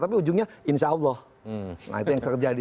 tapi ujungnya insya allah nah itu yang terjadi